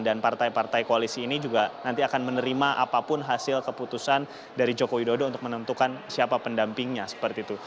dan partai partai koalisi ini juga nanti akan menerima apapun hasil keputusan dari jokowi dodo untuk menentukan siapa pendampingnya seperti itu